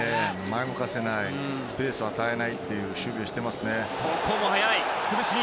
前を向かせないスペースを与えない守備をしていますね。